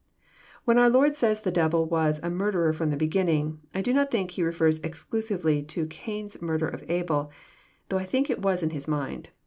When our Lord says the devil was a "murderer from the beginning," I do not think He refers exclusively to Cain's mur der of Abel, though I think it was in His mind.